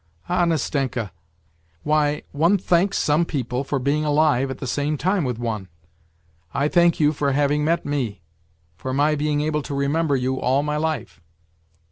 " Ah, Nastenka ! Why, one thanks some people for being alive at the same time with one ; I thank you for having met me, for my being able to remember you all my life